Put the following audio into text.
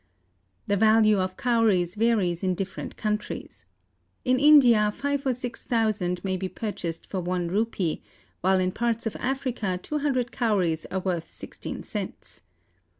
The value of Cowries varies in different countries. In India five or six thousand may be purchased for one rupee, while in parts of Africa two hundred Cowries are worth sixteen cents.